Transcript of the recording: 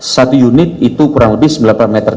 satu unit itu kurang lebih sembilan puluh meter